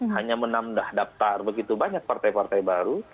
hanya menambah daftar begitu banyak partai partai baru